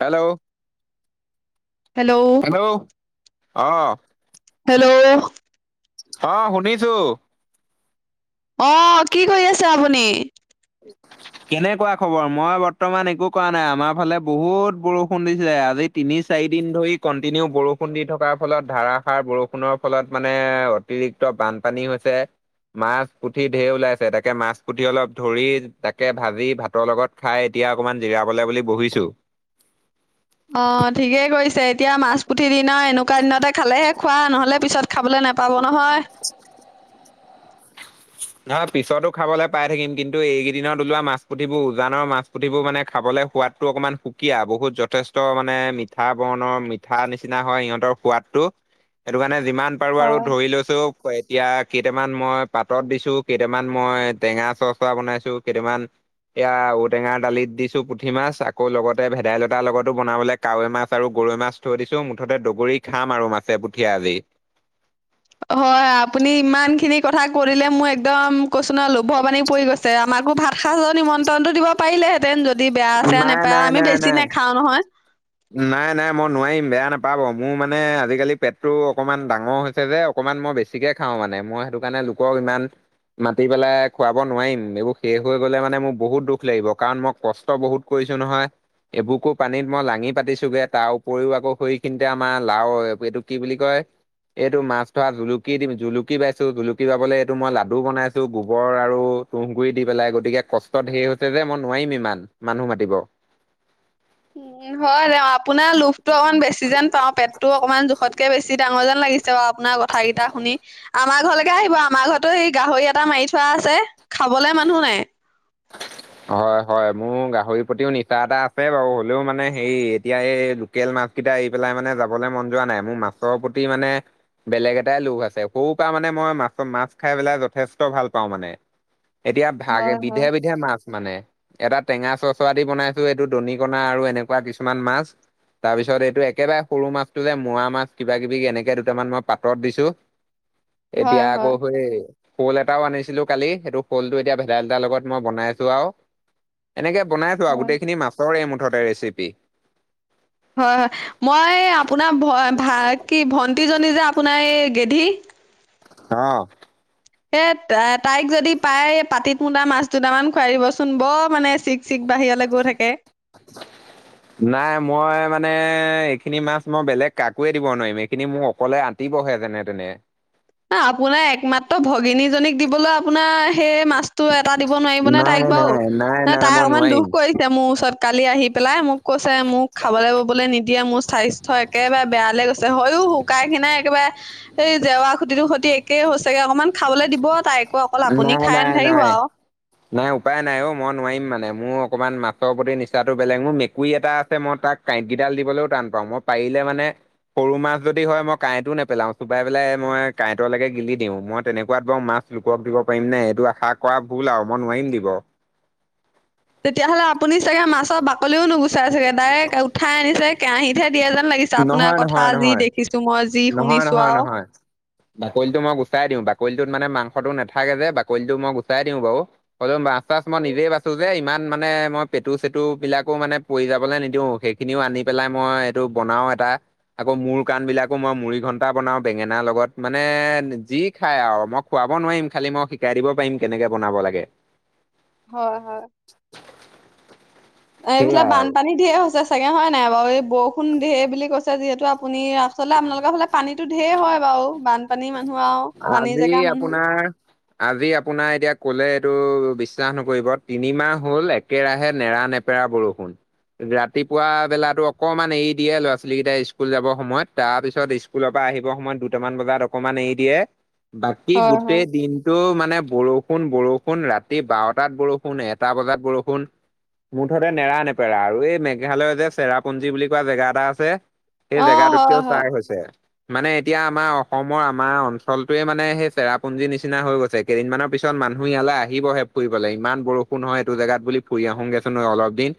Hello hello. Hello, অ'। Hello. অ', শুনিছো। অ', কি কৰি আছে আপুনি? [unintelligible] কেনেকুৱা খবৰ? মই বৰ্তমান একো কৰা নাই, আমাৰ ফালে বহুত বৰষুণ দিছে আজি। তিনি চাৰিদিন ধৰি কণ্টিনিউ বৰষুণ দি থকাৰ ফলত ধাৰাসাৰ বৰষুণৰ ফলত মানে অতিৰিক্ত বানপানী হৈছে, মাছ পুঠি ঢেৰ ওলাইছে তাকে মাছ পুঠি অলপ ধৰি তাকে ভাজি ভাতৰ লগত খাই, এতিয়া অকণমান জিৰাবলৈ বুলি বহিছোঁ। অ', ঠিকেই কৰিছে। এতিয়া মাছ পুঠি দিনৰ এনেকুৱা দিনতে খালেহে খোৱা, নহ'লে পিছত খাবলৈ নাপাব নহয়। নহয় পিছতো খাবলৈ পাই থাকিম কিন্তু এইকেইদিনত ওলোৱা মাছ পুথিবোৰ উজানৰ মাছি। পুথিবোৰ মানে খাবলৈ সোৱাদটো অকণমান সুকীয়া, বহুত যথেষ্ট মানে মিঠা বৰণৰ মি [unintelligible] নিচিনা হয় সিহঁতৰ সোৱাদটো, সেইটো কাৰণে যিমান পাৰোঁ আৰু হয় ধৰি লৈছো, এতিয়া কেইটামান মই পাতত দিছোঁ। টো কেইটামান মই টেঙা চচা বনাইছো কেইটামান এয়া ঔটেঙাৰ দালিত দিছো পুঠি মাছ, আকৌ লগতে ভেদাইলতাৰ লগতো বনাবলে কাৱৈ মাছ আৰু গৰৈ মাছ থৈ দিছো, মুঠতে দগৰি খাম আৰু মাছে পুঠিয়ে আজি। হয়, আপুনি ইমান খিনি কথা কৈ দিলে মোৰ একদম কছো ন' লোভৰ পানী পৰি গৈছে, আমাকো ভাত সাজৰ নিমন্ত্ৰণটো দিব পাৰিলে হেঁতেন যদি বেয়া চেয়া নাই নেপায়, নাই আমি নাই বেছি নাই নাখাও নহয়। নাই নাই, মই নোৱাৰিম বেয়া নাপাব মোৰ মানে আজিকালি পেটটো অকমান ডাঙৰ হৈছে যে। অকণমান মই বেছিকে খাওঁ মানে মই সেইটো কাৰণে লোকক ইমান মাতি পেলাই খুৱাব নোৱাৰিম। এইবোৰ শেষ হৈ গ'লে মানে মোৰ বহুত দুখ লাগিব কাৰণ মই কষ্ট বহুত কৰিছো নহয়, এবোকো পানীত মই লাঙি পাতিছোগে, তাৰ উপৰিও আকৌ সৈখিনিতে আমাৰ লাও এইটো কি বুলি কয় এইটো মাছ ধৰা জুলুকি দিম জুলুকি বাইছো, জুলুকি বাবলে এইটো মই লাডু বনাইছো গোবৰ আৰু কুঁহগুৰি দি পেলাই গতিকে কষ্ট ধেৰ হৈছে যে, মই নোৱাৰিম ইমান মানুহ মাতিব। উম, হয় [unintelligible] আপোনাৰ লোভটো অকমান বেছি যেন পাওঁ, পেটটো অকণমান জোখতকে বেছি ডাঙৰ যেন লাগিছে বাৰু আপোনাৰ কথা কেইটা শুনি। আমাৰ ঘৰলৈকে আহিব আমাৰ ঘৰতো সেই গাহৰি এটা মাৰি থোৱা আছে, খাবলে মানুহ নাই। হয় হয়, মোৰ গাহৰিৰ প্ৰতিও নিচা এটা আছে বাৰু হ'লেও মানে হেৰি এতিয়া এই তেল নাপ কিটা আহি পেলাই মানে যাবলৈ মন যোৱা নাই, মোৰ মাছৰ প্ৰতি মানে বেলেগ এটাই লোভ আছে, সৰুৰ পৰা মানে মই মাছ-মাছ খাই পেলাই যথেষ্ট ভাল পাওঁ মানে। এতিয়া ভাগে, হয় হয় বিধে বিধে মাছ মানে, এটা টেঙা চৰচৰা দি বনাইছো এইটো দনি কণা আৰু এনেকুৱা কিছুমান মাছ। তাৰ পিছত এইটো একেবাৰে সৰু মাছটো যে মুৱা মাছ কিবা কিবি এনেকে দুটামান মই পাতত দিছো। এতিয়া হয় আকৌ হয় সেই শ'ল এটাও আনিছিলো কালি, সেইটো শ'লটো এতিয়া ভেদাইলতাৰ লগত মই বনাই আছো। [unintelligible] এনেকে বনাইছো আৰু, হয় গোটেইখিনি মাছৰে এই মুঠতে ৰেচিপি। হয় হয়, মই আপোনাৰ ভ, ভা কি ভণ্টিজনী যে আপোনাৰ এই গেধি অ'। এ তা-তাইক যদি পাই পাতিত মোতা মাছ দুটামান খুৱাই দিবচোন বৰ মানে চি চিক বাহিৰলৈ গৈ থাকে। [unintelligible] নাই মই মানে, এইখিনি মাছ মই, বেলেগ কাকোৱে দিব নোৱাৰিম। এইখিনি মোক অকলে আ আহিবহে যেনে-তেনে। এ, আপোনাৰ একমাত্ৰ ভগিনীজনীক দিবলৈ আপোনাৰ, সেই মাছ টো এটা দিব নোৱাৰিবনে তাইক নাই বাৰু? নাই নাই নাই তাই মই অকমান দুখ নোৱাৰিম কৰি ছে, মোৰ ওচৰত কালি আহি পেলাই। মোক কৈছে, মোক খাবলৈ-ববলৈ নিদিয়ে। মোৰ স্বা স্থ্য একেবাৰে বেয়া লৈ গৈছে! হৈও, শুকাই-খিনাই একেবাৰে, সেই জেৱা খুটিতো সতি একে হৈছেগে। অকমান খাবলৈ দিব তাইক, অকল আপুনি নাই খাই নাই নাথাকিব নাই। আৰু। নাই, উপায় নাই অ'! মই নোৱাৰিম মানে। মোৰ অকণমান মাছৰ প্ৰতি নিচাটো বেলেগ। মোৰ মেকুৰী এটা আছে, মই তাক কাঁইটকিডাল দিবলৈও টান পাওঁ। মই পাৰিলে মানে, সৰু মাছ যদি হয়, মই কাঁইটো নেপেলাওঁ। চোবাই পেলাই মই, কাঁইটৰলৈকে গিলি দিওঁ। মই তেনে কোৱাত বাৰু মাছ লোকক দিব পাৰিম নে। এইটো আশা কৰা ভুল আৰু মই নোৱাৰিম দিব। তেতিয়াহ'লে আপুনি চাগে মাছৰ বাকলিও নুগুচাই চাগে, ডাইৰেক্ট উঠাই আনিছে। কেৰাহীতহে দিয়ে যেন লাগিছে। নহয় আপোনাৰ নহয় কথা যি নহয় দেখিছোঁ মই, যি নহয় শুনিছোঁ নহয় আৰু। নহয় বাকলিটো মই গুচাই দিওঁ, বাকলিটোত মানে, মাংসটো নাথাকে যে, বাকলিটো মই গুচাই দিওঁ বাৰু। হ'লেও, মাছ-চাছ মই নিজেই বাছো যে। ইমান মানে, মই পেটু-চেটু বিলাকো মানে, পৰি যাবলৈ নিদিওঁ। সেইখিনিও আনি পেলাই মই, এইটো বনাও এটা। আকৌ মূৰ-কাণবিলাকো মই, মুড়ি ঘন্টা বনাও বেঙেনাৰ লগত। মানে, যি খায় আৰু? মই খুৱাব নোৱাৰিম। খালি মই শিকাই দিব পাৰিম, কেনেকে বনাব লাগে। হয়, হয়। এ, সেয়াই এইফালে আৰু বানপানী ঢেৰ হৈছে চাগে হয় নাই বাৰু? এই বৰষুণ ঢেৰ বুলি কৈছে। যিহেতু, আ আপুনি, আচলতে আপোনালোকৰ ফালে, পানীতো ঢেৰ হয় বাৰু। বানপানী মানুহ আৰু পানীৰ জেগা মানুহ। হয়। আজি আপোনাৰ, এতিয়া ক'লে এইটো, বিশ্বাস নকৰিব, তিনিমাহ হ'ল, একেৰাহে নেৰা-নেপ বেয়া বৰষুণ। ৰাতিপুৱা বেলাতো অকনমান এৰি দিয়ে, ল'ৰা- ছোৱালী কেইটাই স্কুল যাবৰ সময়ত। তাৰপিছত, স্কুলৰ পৰা আহিবৰ সময়ত, দুটামান বজাত অকমান এৰি দিয়ে। বাকী, হয় হয় গোটেই দিন টো মানে, বৰষুণ-বৰষুণ। ৰাতি বাৰটাত বৰষুণ, এটা বজাত বৰষুণ। মুঠতে নেৰা-নেপেৰা। আৰু এই, মেঘালয়ৰ যে, চেৰাপুঞ্জী বুলি কোৱা, জেগা এটা আছে। সেই অ হয় জেগাটোতকেও হয় চাই হৈছে। মানে, এতিয়া আমাৰ, [unintelligible] আৰু আমাৰ অঞ্চলটোৱে মানে, সেই চেৰাপুঞ্জিৰ নিচিনা হৈ গৈছে। কেইদিনমানৰ পিছত মানুহ ইয়ালৈ আহিবহে। ফুৰিবলে। ইমান বৰষুণ হয়! এইটো জেগাত বুলি, ফুৰি আহোঁগেছোনঅলপ দিন।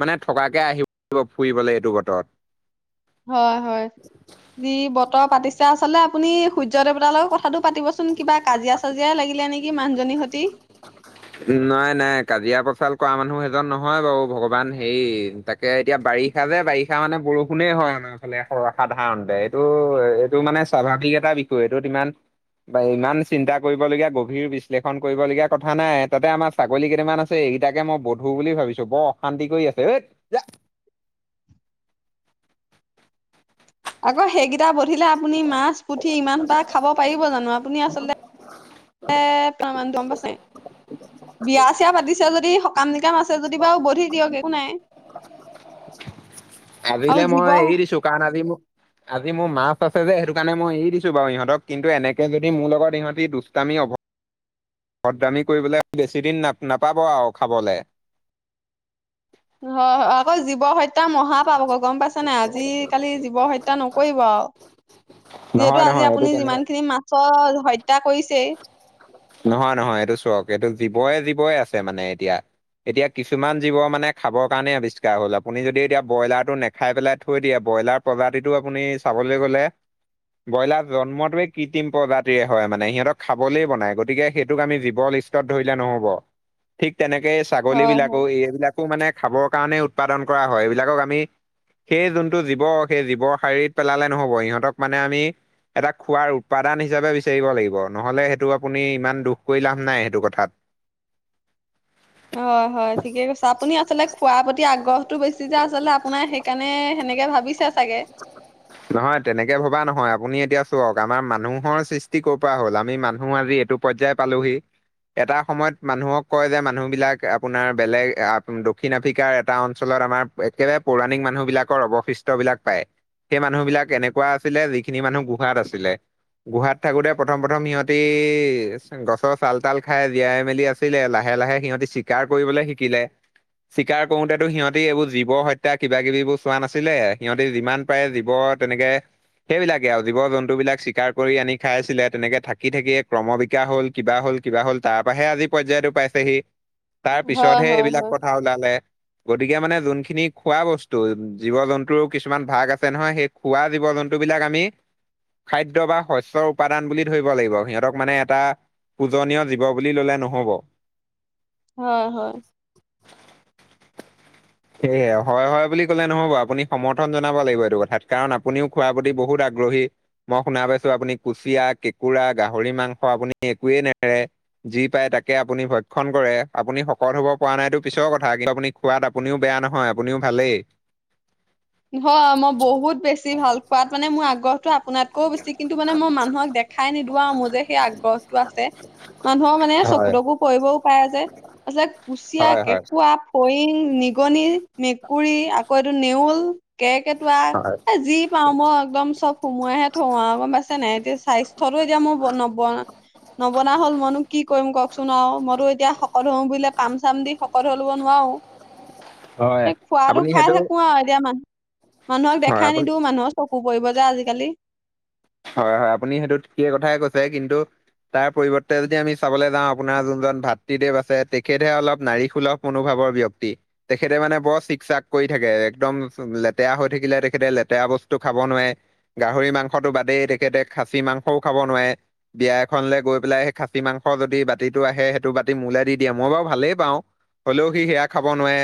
মানে, থকাকে আহিব, [unintelligible] এইটো বতৰত। হয়, হয়! যি বতৰ পাতি ছে। আচলতে আপুনি, সূৰ্য্য দেৱতাৰ লগত কথাটো পাতিবচোন? কিবা কাজিয়া-চাজিয়াই লাগিলে নেকি মানুজনীৰহঁতি। নাই, নাই। কাজিয়া-পচাল কৰা মানুহ, এইজন নহয় বাৰু। ভগৱান সেই, তাক এয়া এতিয়া, বাৰিষা যে, বাৰিষা মানে, বৰষুণে হয়, আমাৰ ফালে, [unintelligible] সাধাৰণতে। এইটো, এইটো মানে স্বাভা ৱিক এটা বিষয়। এইটোত ইমান বা ইমান, চিন্তা কৰিবলগীয়া, গভীৰ বিশ্লেষণ কৰিবলগীয়া কথা নাই। তাতে আমাৰ ছাগলী কেইটামান আছে, এইকেইটাকে মই বধুৰ বুলি ভাবিছোঁ, বৰ অশান্তি কৰি আছে। ঐ যা। আকৌ, সেইকেইটা বধিলে আপুনি, মাছ, পুঠি ইমান এটা খাব পাৰিব জানোঁ? আপুনি আচলতে, [unintelligible] গম পাইছে। বিয়া-চিয়া পাতিছে যদি, সকাম-নিকাম আছে যদি, বাৰু বধি দিয়ক, একো নাই। আৰু আজিলে মই জীৱ এৰি দিছোঁ। কাৰণ আজি মোক আজি মোৰ মাছ আছে যে, সেইটো কাৰণে, মই এৰি দিছোঁ বাৰু ইহঁতক। কিন্তু, এনেকে যদি মোৰ লগত ইহঁতি, দুষ্টামি অভ [unintelligible] দামী কৰিবলে বেছি দিন না নাপাব আৰু খাবলে। হয় হয় আকৌ জীৱ হ মহাপাপ আক' গম পাইছে নাই? আজিকালি জীৱ হত্যা নকৰিব আউ। যিহেতু নহয় আজি নহয় এইটো আপুনি তেনে যিমানখিনি মাছৰ হত্যা কৰিছেই নহয় নহয় এইটো চক এইটো জীৱই জীৱই আছে মানে এতিয়া। এতিয়া কিছুমান জীৱ মানে খাবৰ কাৰণে আৱিষ্কাৰ হ'ল আপুনি যদি এতিয়া ব্ৰইলাৰটো নেখাই পেলাই থৈ দিয়ে ব্ৰইলাৰ প্ৰজাতিটো আপুনি চাবলে গ'লে ব্ৰইলাৰ জন্মটোৱে কৃত্ৰিম প্ৰজাতিৰে হয় মানে সিহঁতক খাবলে বনায় গ গতিকে সেইটোক আমি জীৱ লিষ্টত ধৰিলে নহ'ব ঠিক তেনেকে হয় ছাগলীবিলাকো হয়। এইবিলাক মানে খাবৰ কাৰণে উৎপাদন কৰা হয় এইবিলাকক আমি সেই যোনটো জীৱ, সেই জীৱৰ শাৰীত পেলালে নহ'ব সিহঁতক মানে আমি এটা খোৱাৰ উৎপাদান হিচাপে বিচাৰিব লাগিব নহ'লে সেইটো আপুনি ইমান দুখ কৰি লাভ নাই সেইটো কথাত। হয় হয় ঠিকে কৈছে। আপুনি আচলতে খোৱাৰ প্ৰতি আগ্ৰহটো বেছি যে আচলতে আপোনাৰ সে সেইকাৰণে সেনেকে ভাবিছে চাগে। [inaudible] নহয় তেনেকে ভবা নহয়। আপুনি এতিয়া চওক আমাৰ মানুহৰ সৃষ্টি কৰ পৰা হ'ল আমি মানুহ আজি এইটো পৰ্যায় পালোহি। এটা সময়ত মানুহক কয় যে মানুহবিলাক আপোনাৰ বেলেগ দক্ষিণ আফ্ৰিকাৰ এটা অঞ্চলত আমাৰ একেবাৰে পৌৰাণিক মানুহবিলাকৰ অৱশিষ্টবিলাক পায়। সেই মানুহবিলাক এনেকুৱা আছিলে যিখিনি মানুহ গুহাত আছিলে। গুহাত থাকোতে প্ৰথম প্ৰথম সিহঁতি গছৰ চাল তাল খাই জীয়াই মেলি আছ আছিলে, লাহে লাহে সিহঁতি চিকাৰ কৰিবলে শিকিলে। চিকাৰ কৰোতেটো সিহঁতি এইবোৰ জীৱ হত্যা কিবা কিবিবোৰ চোৱা নাছিলে সিহঁতি যিমান পায় জীৱ তেনেকে সেইবিলাকে আৰু জীৱ-জন্তুবিলাক চিকাৰ কৰি আনি খাইছিলে তেনেকে থাকি থাকিয়ে ক্ৰমবিকা হ'ল। কিবা হ'ল কিবা হ'ল তাৰ পৰাহে আজি পৰ্যায়তো পাইছেহি। হয় পিছতহে হয় এইবিলাক হয়। প্ৰথা ওলালে। গতিকে মানে যোনখিনি খোৱা বস্তু জীৱ-জন্তুৰো কিছুমান ভাগ আছ আছে নহয়, সেই খোৱা জীৱ-জন্তুবিলাক আমি খাদ্য বা শস্যৰ উপাদান বুলি ধৰিব লাগিব সিহঁতক মানে এটা পূজনীয় জীৱ বুলি ল'লে নহ'ব হয় হয় সেয়েহে হয় হয় বুলি ক'লে নহ'ব। আপুনি সমৰ্থন জনাব লাগিব এইটো কথাত কাৰণ আপুনিও খোৱাৰ প্ৰতি বহুত আগ্ৰহী। মই শুনা পাইছো আপুনি কুঁচিয়া, কেঁকুৰা, গাহৰি মাংস আপুনি একোৱে নেৰে। যি পাই তাকে আপুনি ভক্ষণ কৰে। আপুনি শকত হ'ব পৰা নাই এইটো পিছৰ কথা কিন্তু আপুনি খোৱা আপুনিও বেয়া নহয় আপুনিও ভালেই। হয় মই বহুত বেছি ভাল খোৱাত। মানে মোৰ আগত আপোনাতকৈও বেছি কিন্তু মানে মই মানুহক দেখাই নিদিওঁ আ মোৰ যে সেই আগ্ৰহটো আছে। মানুহৰ মানে চকু হয় তকু পৰিবও পাৰে যে, আচলতে কুঁচিয়া, হয় হয় কেঁকুৱা ফৰিং, নিগনি, মেকুৰী আকৌ এইটো নেউল। কেৰ্কেটুৱা হয় এ যি পাওঁ মই একদম চব সোমোৱাই হে থওঁ আ গম পাইছে নাই? এতিয়া স্বাস্থ্যটো এতিয়া মোৰ নব নবনা হ'ল মইনো কি কৰিম কওঁকচোন আউ, মইতো এতিয়া শকত হওঁ বুলিলে পাম চাম দি হকত হলো নোৱাও হয় এই খোৱাতটো আপুনি খাই সেইটো থাকো আও এতিয়া মা নুহক হয় দেখাই আপুনি নিদিওঁ, মানুহৰ চকু পৰিব যে আজিকালি। হয় হয়, আপুনি সেইটো ঠিকেই কথাই কৈছে কিন্তু তাৰ পৰিৱৰ্তে যদি আমি চাবলৈ যাওঁ আপোনাৰ যোনজন ভাতৃদেৱ আছে, তেখেতহে অলপ নাৰিকসুলভ মনোভাৱৰ ব্যক্তি। তেখেতে মানে বৰ চিক চাক কৰি থাকে, একদম লেতেৰা হৈ থাকিলে তেখেতে লেতেৰা বস্তু খাব নোৱাৰে। গাহৰি মাংসটো বাদেই তেখেতে খাচী মাংসও খাব নোৱাৰে। বিয়া এখনলৈ গৈ পেলাই সেই খাচী মাংস যদি বাতিটো আহে সেইটো বাতি মোলে দি দিয়ে মই বাৰু ভালেই পাওঁ। হ'লেও সি সেয়া খাব নোৱাৱে।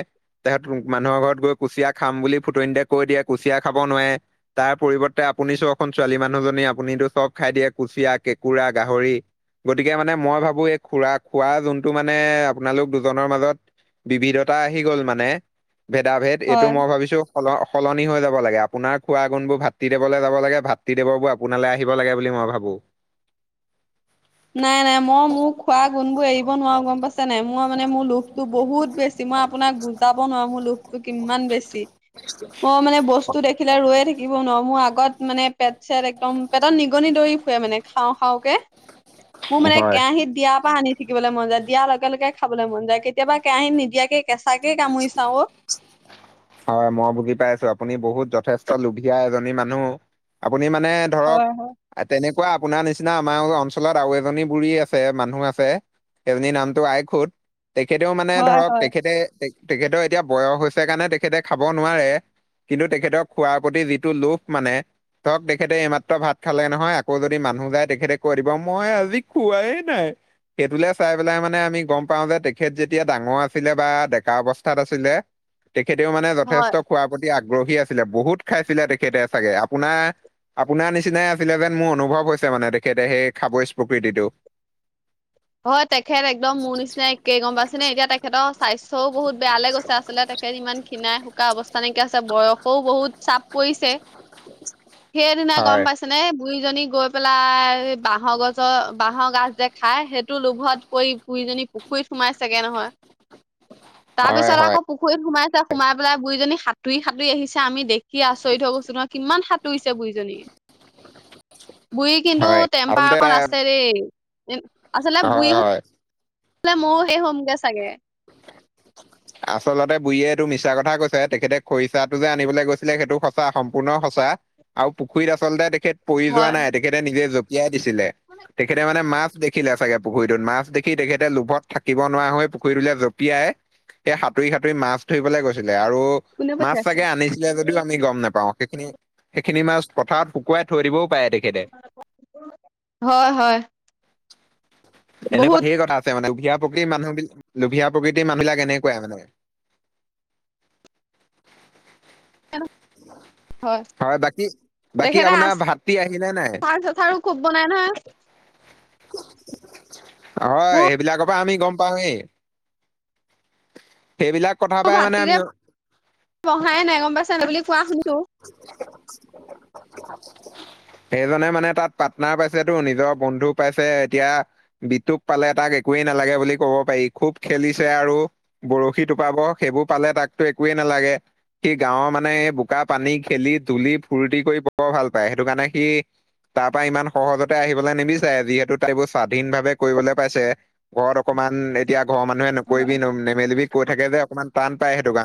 তেখেত মানুহৰ ঘৰত গৈ কুচিয়া খাম বুলি ফুটনিতে কৈ দিয়ে কুচিয়া খাব নোৱাৱে। তাৰ পৰিৱৰ্তে আপুনি চখন ছোৱালী মানুহজনী আপুনিতো চব খাই দিয়ে, কুচিয়া, কেঁকুৰা, গাহৰি। গতিকে মানে মই ভাবো এই খুৰা খোৱা যোনটো মানে আপোনালোক দুজনৰ মাজত বিবিধতা আহি গ'ল মানে, ভেদাভেদ। এইটো হয়। মই ভাবিছো সল সলনি হৈ যাব লাগে, আপোনাৰ খোৱা গুণ বোৰ ভাতৃদেৱলৈ যাব লাগে ভাত তৃদেৱৰ পৰা আপোনালৈ আহিব লাগে বুলি মই ভাবোঁ। নাই নাই মই মোৰ খোৱা গুণবোৰ এৰিব নোৱাৰো গম পাইছে নাই মই মানে মোৰ লোভটো বহুত বে ছি মই আপোনাক বুজাব নোৱাৰো, মোৰ লোভটো কিমান বেছি। মই মানে ব স্তু দেখিলে ৰৈয়ে থাকিব নোৱাৰো মোৰ আগত মানে পেট চেট একদম পেটত নিগনি দৰি ফুৰে মানে খাওঁ খাওঁকে। মোৰ মানে হয়। কেৰাহিত দিয়াৰ পৰা আনি থাকিবলৈ মন যায়, দিয়াৰ লগে লগে খাবলৈ মন যায় কেতিয়াবা কেৰাহিত নিদিয়াকে কেঁচাকে কামুৰি চাঁও। হয় মই ভুগি পাইছো, আপুনি বহুত যথেষ্ট লোভীয়া এজনী মানুহ আপুনি মানে ধৰক হয় হয়। তেনেকুৱা আপোনাৰ নিচিনা আমাৰ অঞ্চলত আৰু এজনী বুঢ়ী আছে মানুহ আছে। সেইজনী নামটো আই খুত। তেখেতেও মানে হয় ধৰক হয় তেখেতে তেখেতেও এতিয়া বয়স হৈছে কাৰণে তেখেতে খাব নোৱাৰে। কিন্তু তেখেতক খোৱাৰ প্ৰতি যিটো লোভ মানে, ধৰক তেখেতে এইমাত্ৰ ভাত খালে নহয় আকৌ যদি মানুহ যায় তেখেতে কৈ দিব, মই আজি খোৱাই নাই। সেইটোলে চাই পেলাই মানে আমি গম পাওঁ যে তেখেত যেতিয়া ডাঙৰ আছিলে বা ডেকা অৱস্থাত আছিলে, তেখেতেও মানে হয় যথেষ্ট খোৱাৰ প্ৰতি আগ্ৰহী আছিলে, বহুত খাইছিলে তেখেতে চাগে। আপোনাৰ আপোনাৰ নিচিনাই আছিলে যেন মোৰ অনুভৱ হৈছে মানে তেখেতে সেই খাবৈ প্ৰকৃতিটো। হয় তেখেত একদম মোৰ নিচিনাই। কেই গম পাইছে নে এতিয়া তেখেতৰ স্বাস্থ্যয়ো বহুত বেয়ালৈ গৈছে আচলতে তেখেত ইমান ক্ষিনাই শুকাই অৱস্থা নাই কিয়া আছে বয়সয়ো বহুত চাপ পৰিছে। সেইদিনা গম হয় পাই তেনে, বুঢ়ীজনী গৈ পেলাই বাঁহৰ গছৰ বাঁহৰ গাজ যে খাই সেইটো লোভত পৰি বুঢ়ীজনী পুখুৰীত সোমাইচেগে নহয়। [inaudible] তাৰ পিছত হয় আকৌ পুখুৰীত সোমাইছে সোমাই পেলাই বুঢ়ীজনী সাঁতুৰি সাঁতুৰি আহিছে আমি দে দেখি আচৰিত হৈ গৈছো নহয় কিমান সা তুইছে বুঢ়ী জনী, বুঢ়ী কিন্তু হয় টেম্পাৰ আচলতে অকন এটা- আছে দেই। আচলতে বুঢ়ী হয় হয় হ'লে ময়ো সেই হ'মগে চাগে। আচলতে বুঢ়ীয়ে এইটো মিছা কথা কৈছে, তেখেতে খৰিচাটো যে আনিবলৈ গৈছিলে সেইটো সঁচা সম্পূৰ্ণ সঁচা। আৰু পুখুৰীত আচলতে তেখেত পৰি যোৱা নাই হয় তেখেতে নিজে জঁপিয়াই দিছিলে তেখেতে মানে মাছ দে দেখিলে চাগে পুখুৰীটোত মাছ দেখি তেখেতে লোভত থাকিব নোৱাৰা হৈ পুখুৰীটোলৈ জঁপিয়াই সেই সাঁতুৰি সাঁতুৰি মাছ ধৰিবলে গৈছিলে আৰু কোনে মাছ পঠিয়াইছে? চাগে আনিছিলে যদিও আমি গম নোপাও সেইখিনি সেইখিনি মাছ পথাৰত শুকোৱাই থৈ দিবও পাৰে সেতি হয় হয়। এনেকুৱা বহুত ধেই কথা আছে মানে লোভীয়া প্ৰকৃতিৰ মানুহবিলাক, লোভীয়া প্ৰকৃতিৰ মানুবিলাক এনেকুৱাই মানে। [inaudible] হয় বাকী তেখেতে আপোনাৰ আচ ভাতৃ আহিলে নাই ৰ চাচাৰো খোব বনাই নহয়। হয় এইবিলাকৰ পৰা আমি গম পাওঁয়েই সেইবিলাক কথা মোৰ পাই মানে ভাতটো যে আমি বহাই নাই গম পাইছা নাই বুলি কোৱা শুনতো [unintelligible] সেইজনে মানে তাত পাৰ্টনাৰ পাইছেতো নিজৰ বন্ধু পাইছে এতিয়া বিটোক পালে তাক একোৱেই নালাগে বুলি ক'ব পাৰি খুব খেলিছে আৰু বৰশী টোপাব সেইবোৰ পালে তাকতো একোৱেই নালাগে। সি গাঁওৰ মানে এ বো কা, পানী খেলি ধুলি ফূৰ্তি কৰি বৰ ভাল পায় সেইটো কাৰণে সি তাৰ পৰা ইমান সহজতে আহিবলে নিবিচাৰে। যিহেতু তাই এবোৰ স্বাধীন ভাৱে কৰিবলে পাইছে ঘৰত অকমান এতিয়া ঘৰৰ মানুহে নকৰিবি হয় নেমেলিবি কৈ থাকে যে অকমান টান পায় সেইটো কা